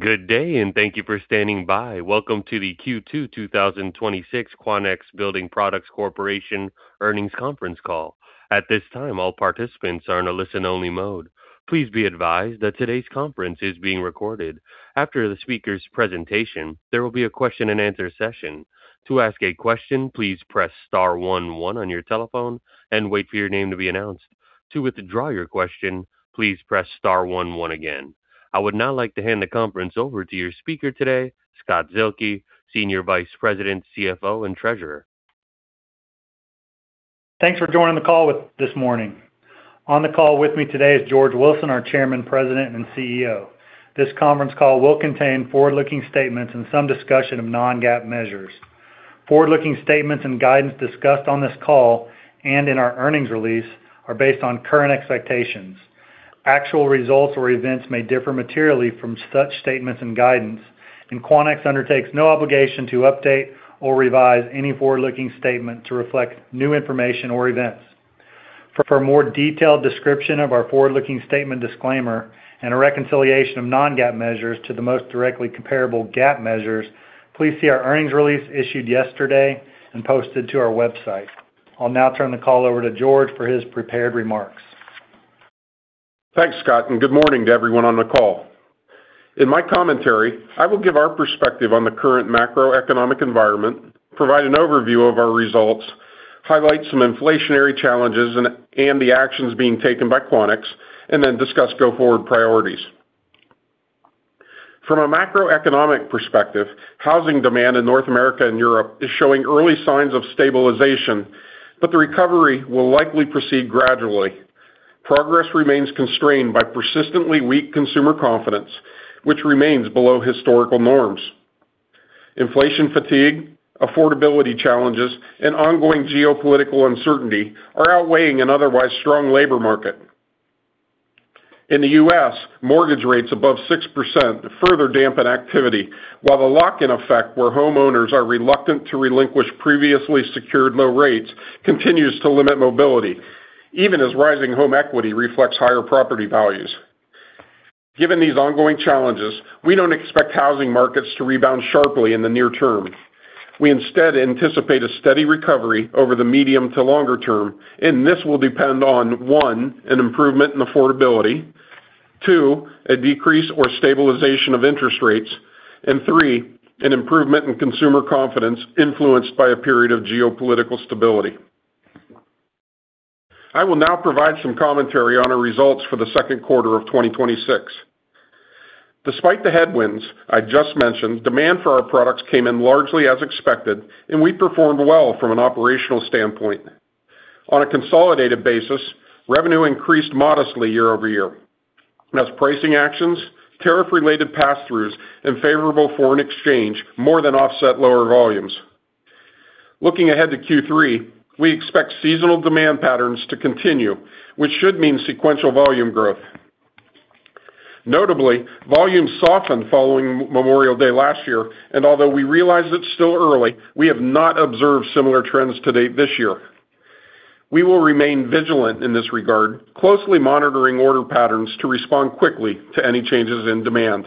Good day. Thank you for standing by. Welcome to the Q2 2026 Quanex Building Products Corporation Earnings Conference Call. At this time, all participants are in a listen-only mode. Please be advised that today's conference is being recorded. After the speaker's presentation, there will be a question-and-answer session. To ask a question, please press star one one on your telephone and wait for your name to be announced. To withdraw your question, please press star one one again. I would now like to hand the conference over to your speaker today, Scott Zuehlke, Senior Vice President, CFO, and Treasurer. Thanks for joining the call this morning. On the call with me today is George Wilson, our Chairman, President, and CEO. This conference call will contain forward-looking statements and some discussion of non-GAAP measures. Forward-looking statements and guidance discussed on this call and in our earnings release are based on current expectations. Actual results or events may differ materially from such statements and guidance, and Quanex undertakes no obligation to update or revise any forward-looking statement to reflect new information or events. For a more detailed description of our forward-looking statement disclaimer and a reconciliation of non-GAAP measures to the most directly comparable GAAP measures, please see our earnings release issued yesterday and posted to our website. I'll now turn the call over to George for his prepared remarks. Thanks, Scott, and good morning to everyone on the call. In my commentary, I will give our perspective on the current macroeconomic environment, provide an overview of our results, highlight some inflationary challenges and the actions being taken by Quanex, and then discuss go-forward priorities. From a macroeconomic perspective, housing demand in North America and Europe is showing early signs of stabilization, but the recovery will likely proceed gradually. Progress remains constrained by persistently weak consumer confidence, which remains below historical norms. Inflation fatigue, affordability challenges, and ongoing geopolitical uncertainty are outweighing an otherwise strong labor market. In the U.S., mortgage rates above 6% further dampen activity, while the lock-in effect, where homeowners are reluctant to relinquish previously secured low rates, continues to limit mobility, even as rising home equity reflects higher property values. Given these ongoing challenges, we don't expect housing markets to rebound sharply in the near term. We instead anticipate a steady recovery over the medium to longer term. This will depend on, one, an improvement in affordability, two, a decrease or stabilization of interest rates, and three, an improvement in consumer confidence influenced by a period of geopolitical stability. I will now provide some commentary on our results for the second quarter of 2026. Despite the headwinds I just mentioned, demand for our products came in largely as expected. We performed well from an operational standpoint. On a consolidated basis, revenue increased modestly year-over-year as pricing actions, tariff-related pass-throughs, and favorable foreign exchange more than offset lower volumes. Looking ahead to Q3, we expect seasonal demand patterns to continue, which should mean sequential volume growth. Notably, volumes softened following Memorial Day last year. Although we realize it's still early, we have not observed similar trends to date this year. We will remain vigilant in this regard, closely monitoring order patterns to respond quickly to any changes in demand.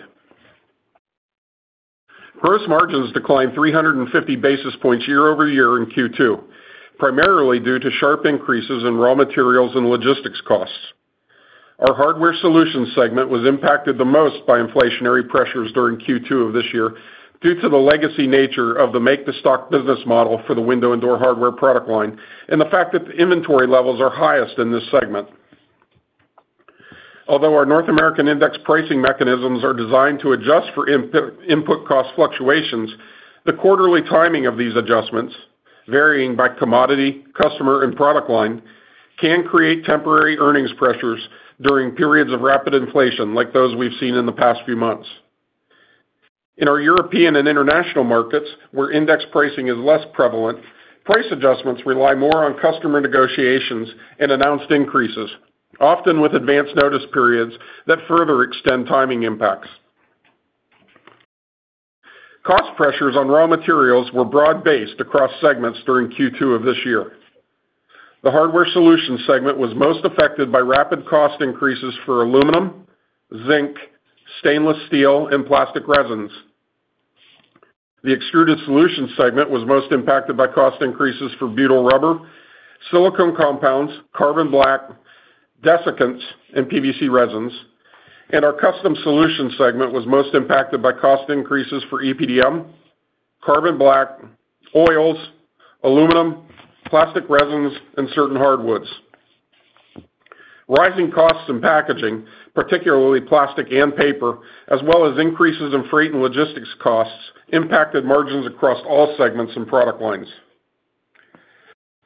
Gross margins declined 350 basis points year-over-year in Q2, primarily due to sharp increases in raw materials and logistics costs. Our Hardware Solutions segment was impacted the most by inflationary pressures during Q2 of this year due to the legacy nature of the make-to-stock business model for the window and door hardware product line, and the fact that the inventory levels are highest in this segment. Although our North American index pricing mechanisms are designed to adjust for input cost fluctuations, the quarterly timing of these adjustments, varying by commodity, customer, and product line, can create temporary earnings pressures during periods of rapid inflation like those we've seen in the past few months. In our European and international markets, where index pricing is less prevalent, price adjustments rely more on customer negotiations and announced increases, often with advanced notice periods that further extend timing impacts. Cost pressures on raw materials were broad-based across segments during Q2 of this year. The Hardware Solutions segment was most affected by rapid cost increases for aluminum, zinc, stainless steel, and plastic resins. The Extruded Solutions segment was most impacted by cost increases for butyl rubber, silicone compounds, carbon black, desiccants, and PVC resins, and our Custom Solutions segment was most impacted by cost increases for EPDM, carbon black, oils, aluminum, plastic resins, and certain hardwoods. Rising costs in packaging, particularly plastic and paper, as well as increases in freight and logistics costs, impacted margins across all segments and product lines.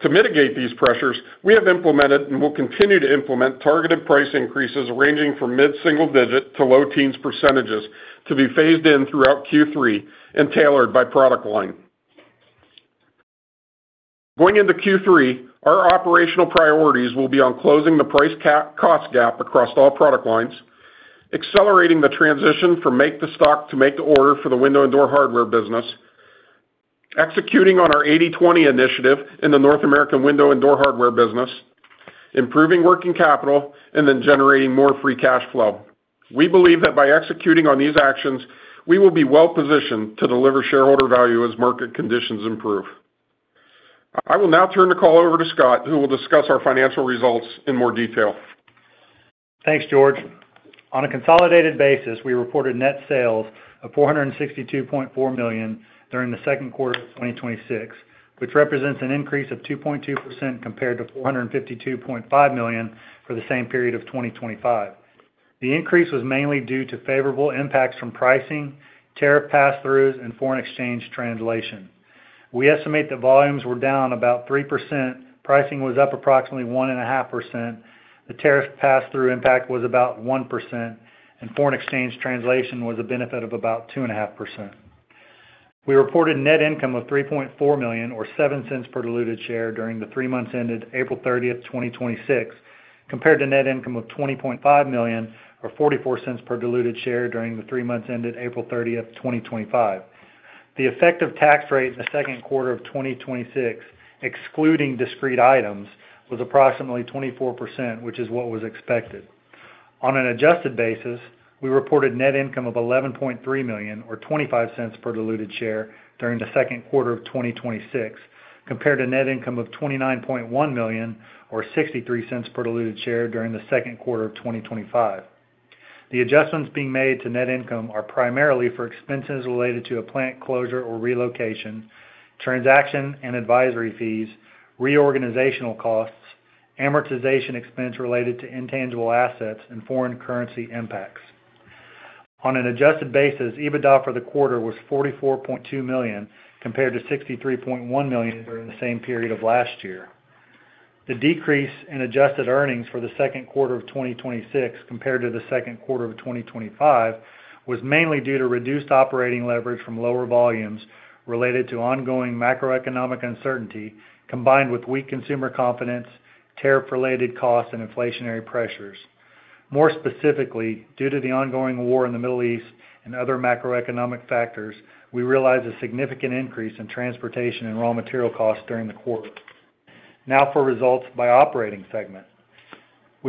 To mitigate these pressures, we have implemented and will continue to implement targeted price increases ranging from mid-single digit to low teens percentages to be phased in throughout Q3 and tailored by product line. Going into Q3, our operational priorities will be on closing the price cost gap across all product lines, accelerating the transition from make-to-stock to make-to-order for the window and door hardware business, executing on our 80/20 initiative in the North American window and door hardware business, improving working capital, and then generating more free cash flow. We believe that by executing on these actions, we will be well-positioned to deliver shareholder value as market conditions improve. I will now turn the call over to Scott, who will discuss our financial results in more detail. Thanks, George. On a consolidated basis, we reported net sales of $462.4 million during the second quarter of 2026, which represents an increase of 2.2% compared to $452.5 million for the same period of 2025. The increase was mainly due to favorable impacts from pricing, tariff passthroughs, and foreign exchange translation. We estimate that volumes were down about 3%, pricing was up approximately 1.5%, the tariff passthrough impact was about 1%, and foreign exchange translation was a benefit of about 2.5%. We reported net income of $3.4 million, or $0.07 per diluted share, during the three months ended April 30th, 2026, compared to net income of $20.5 million, or $0.44 per diluted share, during the three months ended April 30th, 2025. The effective tax rate in the second quarter of 2026, excluding discrete items, was approximately 24%, which is what was expected. On an adjusted basis, we reported net income of $11.3 million, or $0.25 per diluted share, during the second quarter of 2026, compared to net income of $29.1 million or $0.63 per diluted share during the second quarter of 2025. The adjustments being made to net income are primarily for expenses related to a plant closure or relocation, transaction and advisory fees, reorganizational costs, amortization expense related to intangible assets, and foreign currency impacts. On an adjusted basis, EBITDA for the quarter was $44.2 million, compared to $63.1 million during the same period of last year. The decrease in adjusted earnings for the second quarter of 2026 compared to the second quarter of 2025 was mainly due to reduced operating leverage from lower volumes related to ongoing macroeconomic uncertainty, combined with weak consumer confidence, tariff-related costs, and inflationary pressures. More specifically, due to the ongoing war in the Middle East and other macroeconomic factors, we realized a significant increase in transportation and raw material costs during the quarter. Now for results by operating segment.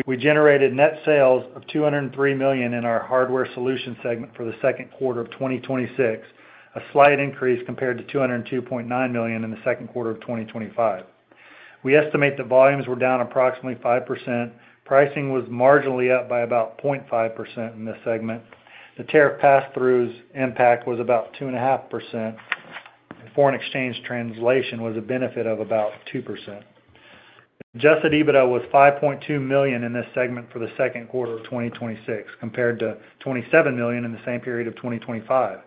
We generated net sales of $203 million in our Hardware Solutions segment for the second quarter of 2026, a slight increase compared to $202.9 million in the second quarter of 2025. We estimate that volumes were down approximately 5%. Pricing was marginally up by about 0.5% in this segment. The tariff passthroughs impact was about 2.5%, and foreign exchange translation was a benefit of about 2%. Adjusted EBITDA was $5.2 million in this segment for the second quarter of 2026, compared to $27 million in the same period of 2025.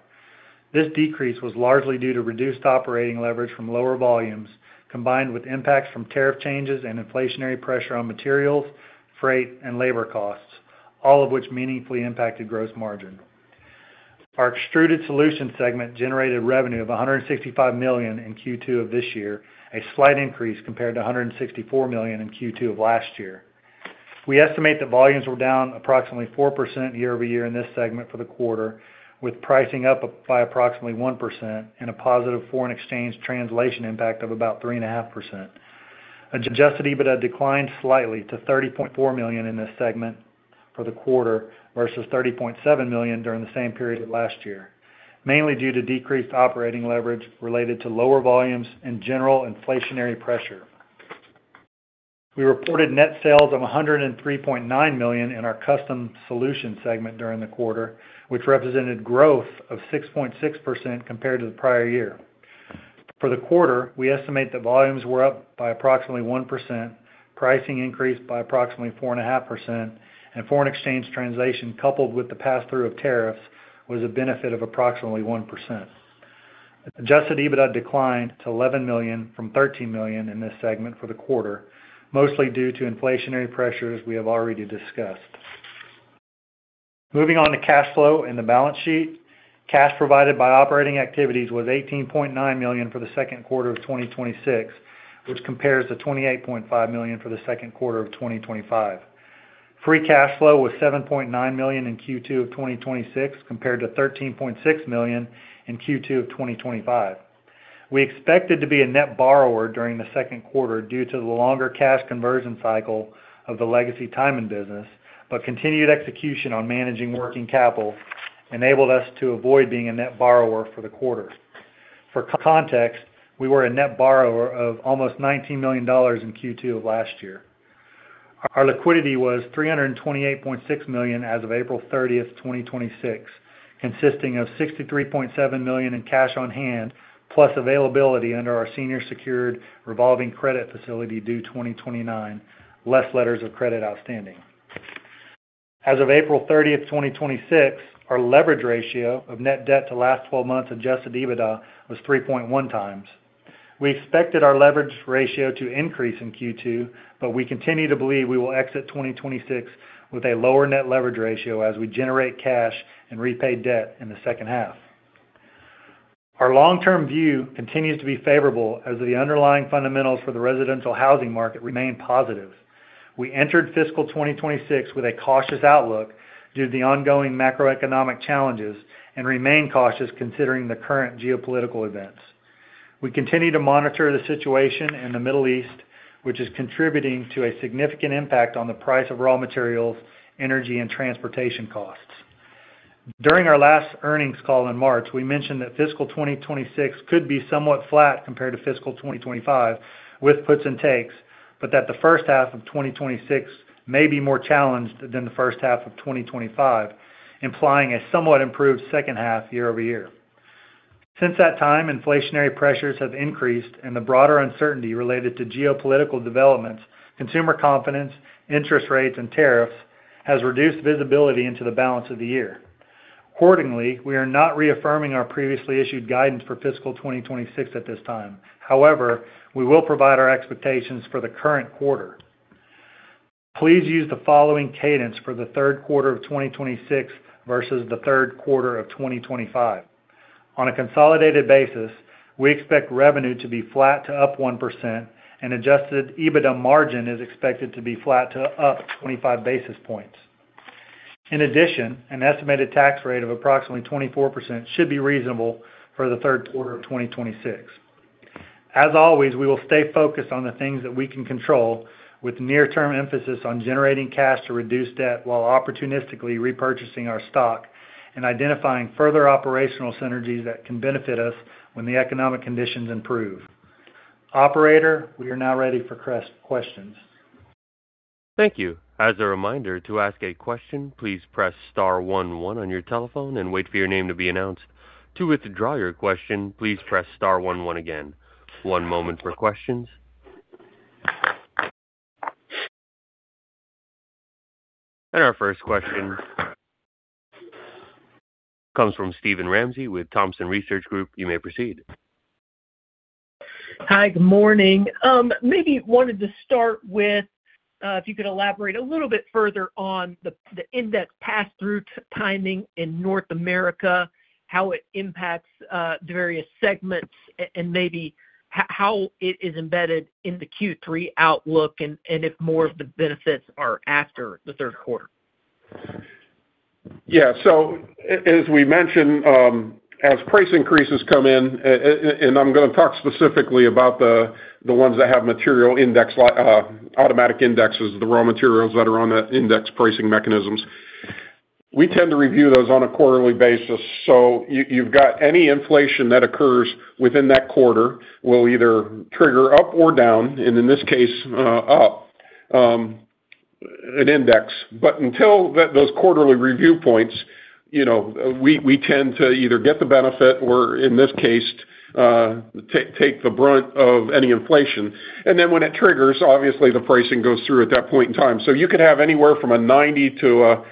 This decrease was largely due to reduced operating leverage from lower volumes, combined with impacts from tariff changes and inflationary pressure on materials, freight, and labor costs, all of which meaningfully impacted gross margin. Our Extruded Solutions segment generated revenue of $165 million in Q2 of this year, a slight increase compared to $164 million in Q2 of last year. We estimate that volumes were down approximately 4% year-over-year in this segment for the quarter, with pricing up by approximately 1% and a positive foreign exchange translation impact of about 3.5%. Adjusted EBITDA declined slightly to $30.4 million in this segment for the quarter versus $30.7 million during the same period last year, mainly due to decreased operating leverage related to lower volumes and general inflationary pressure. We reported net sales of $103.9 million in our Custom Solutions segment during the quarter, which represented growth of 6.6% compared to the prior year. For the quarter, we estimate that volumes were up by approximately 1%, pricing increased by approximately 4.5%, foreign exchange translation, coupled with the passthrough of tariffs, was a benefit of approximately 1%. Adjusted EBITDA declined to $11 million from $13 million in this segment for the quarter, mostly due to inflationary pressures we have already discussed. Moving on to cash flow and the balance sheet. Cash provided by operating activities was $18.9 million for the second quarter of 2026, which compares to $28.5 million for the second quarter of 2025. Free cash flow was $7.9 million in Q2 of 2026 compared to $13.6 million in Q2 of 2025. We expected to be a net borrower during the second quarter due to the longer cash conversion cycle of the legacy Tyman business. Continued execution on managing working capital enabled us to avoid being a net borrower for the quarter. For context, we were a net borrower of almost $19 million in Q2 of last year. Our liquidity was $328.6 million as of April 30, 2026, consisting of $63.7 million in cash on hand, plus availability under our senior secured revolving credit facility due 2029, less letters of credit outstanding. As of April 30, 2026, our leverage ratio of net debt to last 12 months adjusted EBITDA was 3.1x. We expected our leverage ratio to increase in Q2, but we continue to believe we will exit 2026 with a lower net leverage ratio as we generate cash and repay debt in the second half. Our long-term view continues to be favorable as the underlying fundamentals for the residential housing market remain positive. We entered fiscal 2026 with a cautious outlook due to the ongoing macroeconomic challenges and remain cautious considering the current geopolitical events. We continue to monitor the situation in the Middle East, which is contributing to a significant impact on the price of raw materials, energy, and transportation costs. During our last earnings call in March, we mentioned that fiscal 2026 could be somewhat flat compared to fiscal 2025, with puts and takes, but that the first half of 2026 may be more challenged than the first half of 2025, implying a somewhat improved second half year over year. Since that time, inflationary pressures have increased and the broader uncertainty related to geopolitical developments, consumer confidence, interest rates, and tariffs has reduced visibility into the balance of the year. Accordingly, we are not reaffirming our previously issued guidance for fiscal 2026 at this time. However, we will provide our expectations for the current quarter. Please use the following cadence for the third quarter of 2026 versus the third quarter of 2025. On a consolidated basis, we expect revenue to be flat to up 1%, and adjusted EBITDA margin is expected to be flat to up 25 basis points. In addition, an estimated tax rate of approximately 24% should be reasonable for the third quarter of 2026. As always, we will stay focused on the things that we can control with near-term emphasis on generating cash to reduce debt while opportunistically repurchasing our stock and identifying further operational synergies that can benefit us when the economic conditions improve. Operator, we are now ready for questions. Thank you. As a reminder, to ask a question, please press star one one on your telephone and wait for your name to be announced. To withdraw your question, please press star one one again. One moment for questions. Our first question comes from Steven Ramsey with Thompson Research Group. You may proceed. Hi. Good morning. Maybe wanted to start with, if you could elaborate a little bit further on the index pass-through timing in North America, how it impacts the various segments, and maybe how it is embedded in the Q3 outlook, and if more of the benefits are after the third quarter? Yeah. As we mentioned, as price increases come in, and I'm going to talk specifically about the ones that have material automatic indexes, the raw materials that are on the index pricing mechanisms. We tend to review those on a quarterly basis. You've got any inflation that occurs within that quarter will either trigger up or down, and in this case, up, an index. Until those quarterly review points, we tend to either get the benefit or, in this case, take the brunt of any inflation. When it triggers, obviously, the pricing goes through at that point in time. You could have anywhere from a 90-day to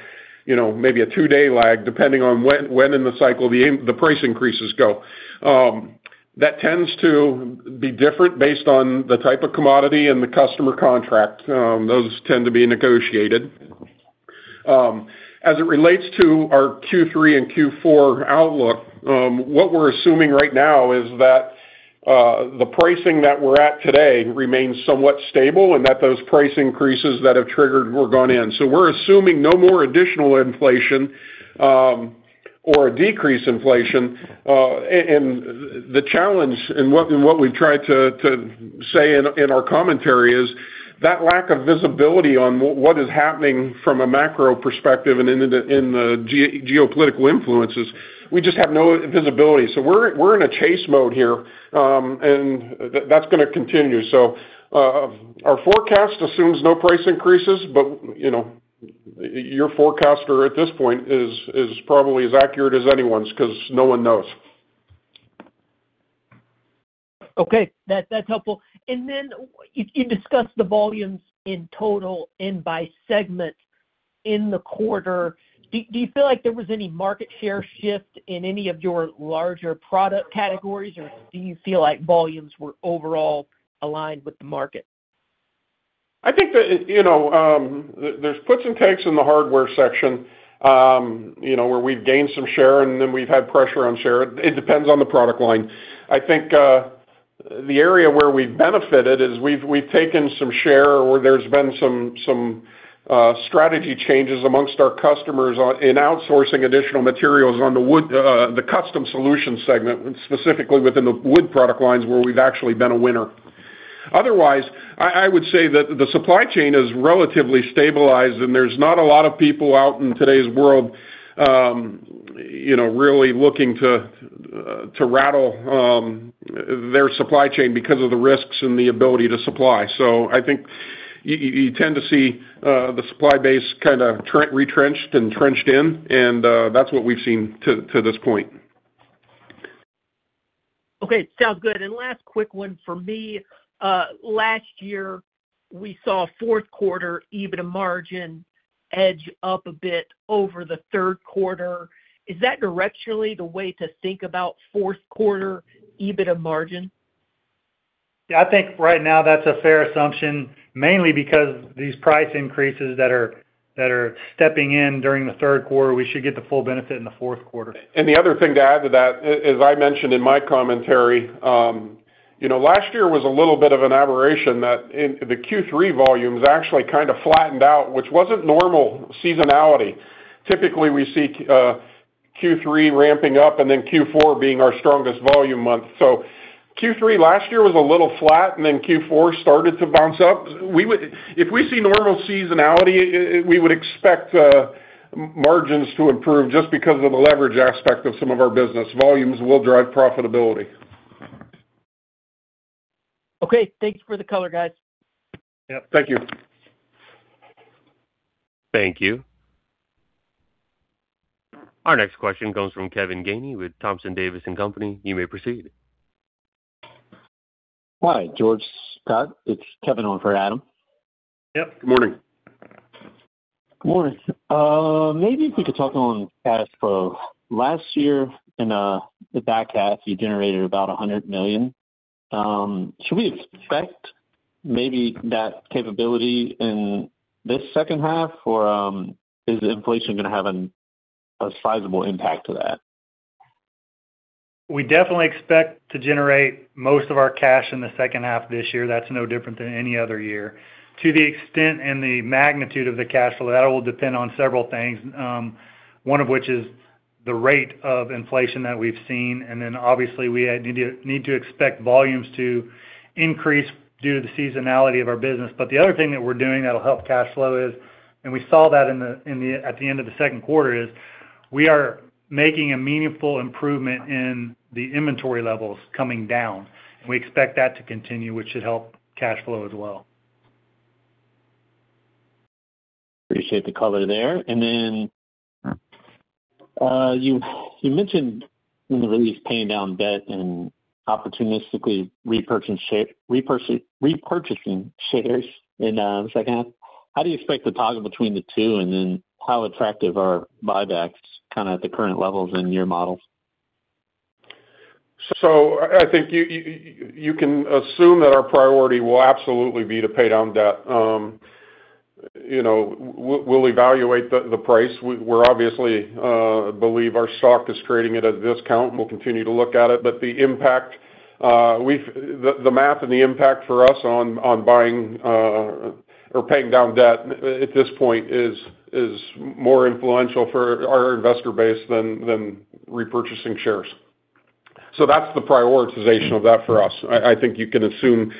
maybe a two-day lag, depending on when in the cycle the price increases go. That tends to be different based on the type of commodity and the customer contract. Those tend to be negotiated. As it relates to our Q3 and Q4 outlook, what we're assuming right now is that the pricing that we're at today remains somewhat stable and that those price increases that have triggered were gone in. We're assuming no more additional inflation or a decrease inflation. The challenge in what we've tried to say in our commentary is that lack of visibility on what is happening from a macro perspective and in the geopolitical influences, we just have no visibility. We're in a chase mode here, and that's going to continue. Our forecast assumes no price increases, but your forecast at this point is probably as accurate as anyone's because no one knows. Okay. That's helpful. You discussed the volumes in total and by segment in the quarter. Do you feel like there was any market share shift in any of your larger product categories, or do you feel like volumes were overall aligned with the market? I think that there's puts and takes in the Hardware Solutions where we've gained some share and then we've had pressure on share. It depends on the product line. I think the area where we've benefited is we've taken some share or there's been some strategy changes amongst our customers in outsourcing additional materials on the Custom Solutions segment, specifically within the wood product lines, where we've actually been a winner. Otherwise, I would say that the supply chain is relatively stabilized, and there's not a lot of people out in today's world really looking to rattle their supply chain because of the risks and the ability to supply. I think you tend to see the supply base kind of retrenched and trenched in, and that's what we've seen to this point. Okay. Sounds good. Last quick one for me. Last year, we saw fourth quarter EBITDA margin edge up a bit over the third quarter. Is that directionally the way to think about fourth quarter EBITDA margin? Yeah, I think right now that's a fair assumption, mainly because these price increases that are stepping in during the third quarter, we should get the full benefit in the fourth quarter. The other thing to add to that, as I mentioned in my commentary. Last year was a little bit of an aberration that the Q3 volumes actually kind of flattened out, which wasn't normal seasonality. Typically, we see Q3 ramping up and then Q4 being our strongest volume month. Q3 last year was a little flat, and then Q4 started to bounce up. If we see normal seasonality, we would expect margins to improve just because of the leverage aspect of some of our business. Volumes will drive profitability. Okay. Thanks for the color, guys. Yep, thank you. Thank you. Our next question comes from Kevin Ganey with Thompson Davis & Company. You may proceed. Hi, George, Scott. It's Kevin on for Adam. Yep, good morning. Good morning. Maybe if we could talk on cash flow. Last year in the back half, you generated about $100 million. Should we expect maybe that capability in this second half, or is inflation going to have a sizable impact to that? We definitely expect to generate most of our cash in the second half of this year. That's no different than any other year. To the extent and the magnitude of the cash flow, that will depend on several things. One of which is the rate of inflation that we've seen. Obviously, we need to expect volumes to increase due to the seasonality of our business. The other thing that we're doing that'll help cash flow is, and we saw that at the end of the second quarter is, we are making a meaningful improvement in the inventory levels coming down, and we expect that to continue, which should help cash flow as well. Appreciate the color there. You mentioned in the release, paying down debt and opportunistically repurchasing shares in the second half. How do you expect to toggle between the two, and then how attractive are buybacks kind of at the current levels in your models? I think you can assume that our priority will absolutely be to pay down debt. We'll evaluate the price. We obviously believe our stock is trading at a discount, and we'll continue to look at it. The math and the impact for us on buying or paying down debt at this point is more influential for our investor base than repurchasing shares. That's the prioritization of that for us. I think you can assume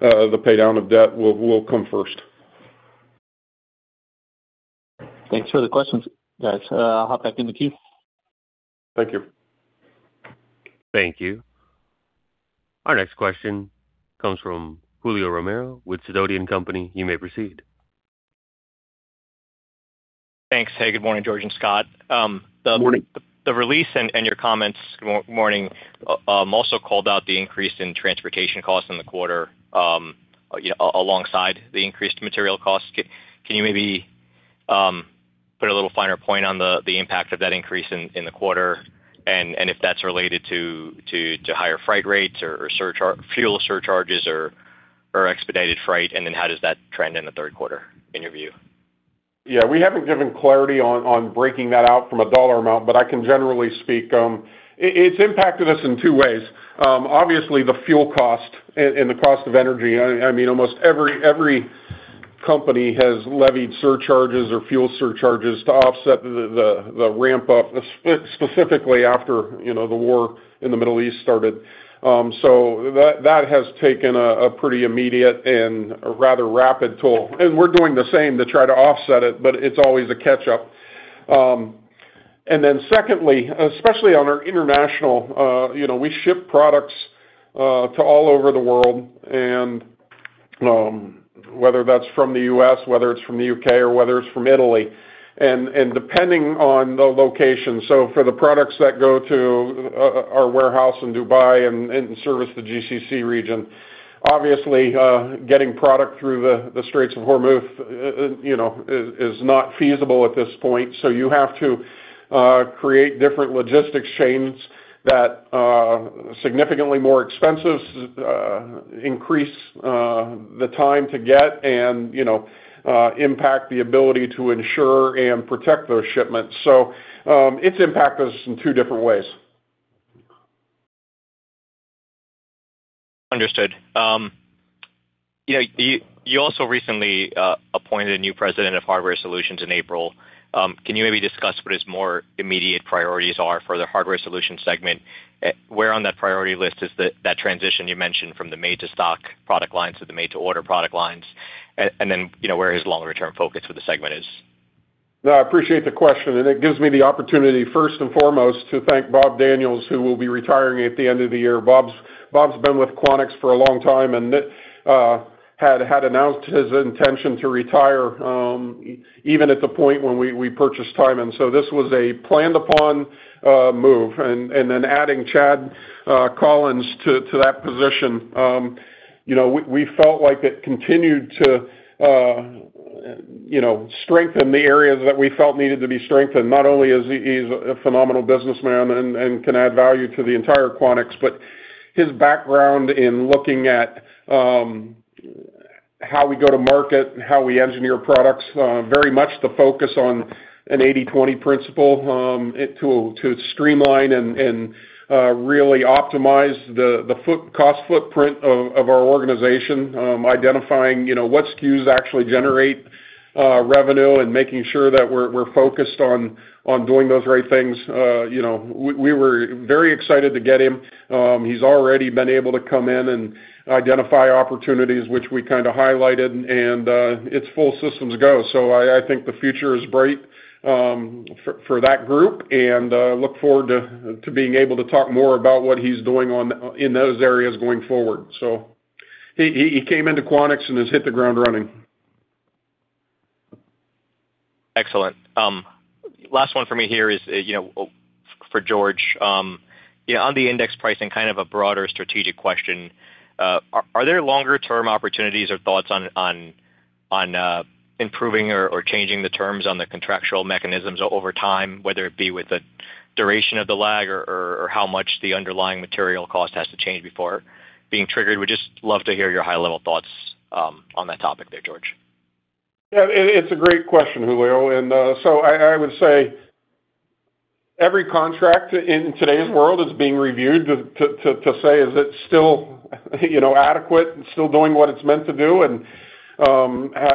the paydown of debt will come first. Thanks for the questions, guys. I'll hop back in the queue. Thank you. Thank you. Our next question comes from Julio Romero with Sidoti & Company. You may proceed. Thanks. Hey, good morning, George and Scott. Good morning. The release and your comments, good morning, also called out the increase in transportation costs in the quarter alongside the increased material costs. Can you maybe put a little finer point on the impact of that increase in the quarter, and if that's related to higher freight rates or fuel surcharges or expedited freight? How does that trend in the third quarter, in your view? Yeah. We haven't given clarity on breaking that out from a dollar amount, but I can generally speak. It's impacted us in two ways. Obviously, the fuel cost and the cost of energy. Almost every company has levied surcharges or fuel surcharges to offset the ramp-up, specifically after the war in the Middle East started. That has taken a pretty immediate and a rather rapid toll, and we're doing the same to try to offset it, but it's always a catch-up. Secondly, especially on our international, we ship products to all over the world, and whether that's from the U.S., whether it's from the U.K., or whether it's from Italy, and depending on the location. For the products that go to our warehouse in Dubai and service the GCC region, obviously, getting product through the Straits of Hormuz is not feasible at this point. You have to create different logistics chains that are significantly more expensive, increase the time to get, and impact the ability to insure and protect those shipments. It's impacted us in two different ways. Understood. You also recently appointed a new President of Hardware Solutions in April. Can you maybe discuss what his more immediate priorities are for the Hardware Solutions segment? Where on that priority list is that transition you mentioned from the make-to-stock product lines to the make-to-order product lines, and then where his longer-term focus for the segment is? No, I appreciate the question, and it gives me the opportunity, first and foremost, to thank Bob Daniels, who will be retiring at the end of the year. Bob's been with Quanex for a long time and had announced his intention to retire even at the point when we purchased Tyman. This was a planned-upon move. Adding Chad Collins to that position, we felt like it continued to strengthen the areas that we felt needed to be strengthened. Not only is he a phenomenal businessman and can add value to the entire Quanex, but his background in looking at how we go to market and how we engineer products, very much the focus on an 80/20 principle, to streamline and really optimize the cost footprint of our organization. Identifying what SKUs actually generate revenue and making sure that we're focused on doing those right things. We were very excited to get him. He's already been able to come in and identify opportunities which we kind of highlighted, and it's full systems go. I think the future is bright for that group, and look forward to being able to talk more about what he's doing in those areas going forward. He came into Quanex and has hit the ground running. Excellent. Last one for me here is for George. On the index pricing, kind of a broader strategic question. Are there longer-term opportunities or thoughts on improving or changing the terms on the contractual mechanisms over time, whether it be with the duration of the lag or how much the underlying material cost has to change before being triggered? We'd just love to hear your high-level thoughts on that topic there, George. It's a great question, Julio. I would say every contract in today's world is being reviewed to say, is it still adequate and still doing what it's meant to do?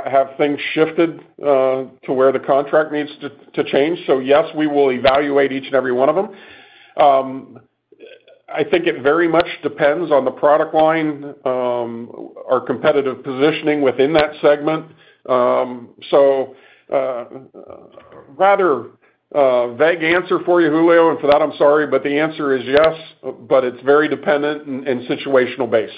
Have things shifted to where the contract needs to change? Yes, we will evaluate each and every one of them. I think it very much depends on the product line, our competitive positioning within that segment. A rather vague answer for you, Julio, and for that, I'm sorry, but the answer is yes, but it's very dependent and situational based.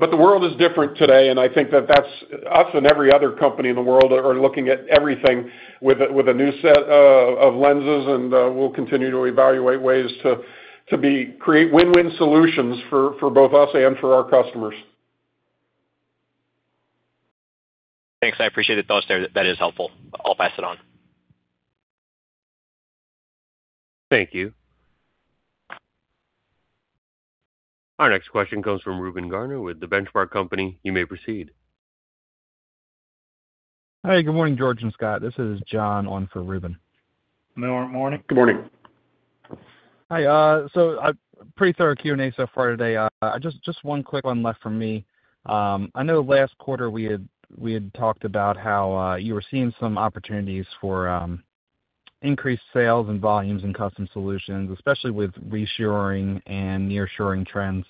The world is different today, and I think that us and every other company in the world are looking at everything with a new set of lenses, and we'll continue to evaluate ways to create win-win solutions for both us and for our customers. Thanks. I appreciate the thoughts there. That is helpful. I'll pass it on. Thank you. Our next question comes from Reuben Garner with The Benchmark Company. You may proceed. Hi. Good morning, George and Scott. This is John on for Reuben. Morning. Good morning. Hi. A pretty thorough Q&A so far today. One quick one left from me. I know last quarter we had talked about how you were seeing some opportunities for increased sales and volumes in Custom Solutions, especially with reshoring and nearshoring trends.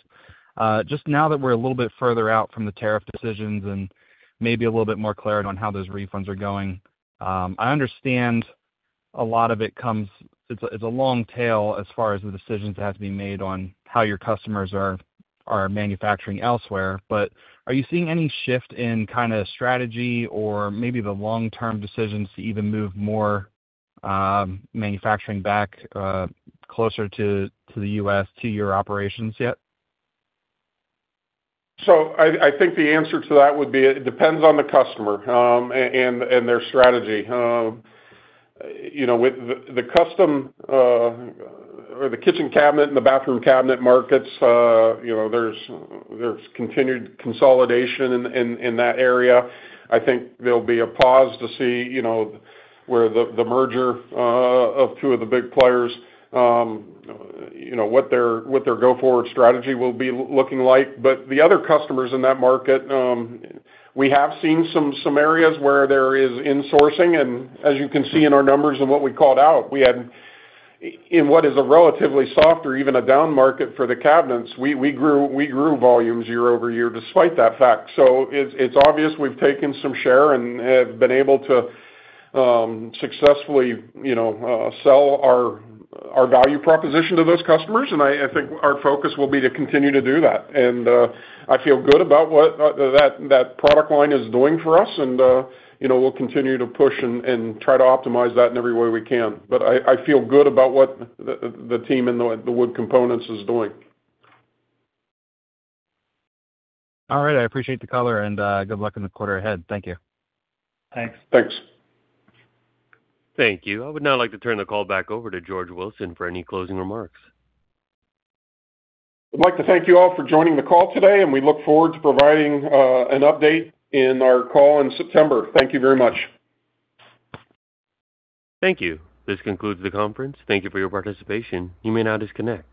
Now that we're a little bit further out from the tariff decisions and maybe a little bit more clarity on how those refunds are going, I understand a lot of it. It's a long tail as far as the decisions that have to be made on how your customers are manufacturing elsewhere. Are you seeing any shift in kind of strategy or maybe the long-term decisions to even move more manufacturing back closer to the U.S., to your operations yet? I think the answer to that would be, it depends on the customer and their strategy. With the custom or the kitchen cabinet and the bathroom cabinet markets, there's continued consolidation in that area. I think there'll be a pause to see where the merger of two of the big players, what their go-forward strategy will be looking like. The other customers in that market, we have seen some areas where there is insourcing, and as you can see in our numbers and what we called out, in what is a relatively soft or even a down market for the cabinets, we grew volumes year-over-year despite that fact. It's obvious we've taken some share and have been able to successfully sell our value proposition to those customers, and I think our focus will be to continue to do that. I feel good about what that product line is doing for us, and we'll continue to push and try to optimize that in every way we can. I feel good about what the team in the wood components is doing. All right. I appreciate the color and good luck in the quarter ahead. Thank you. Thanks. Thanks. Thank you. I would now like to turn the call back over to George Wilson for any closing remarks. I'd like to thank you all for joining the call today, and we look forward to providing an update in our call in September. Thank you very much. Thank you. This concludes the conference. Thank you for your participation. You may now disconnect.